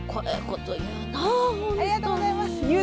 ありがとうございます！ですよね！